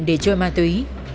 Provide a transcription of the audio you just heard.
cần tiền để chơi ma túy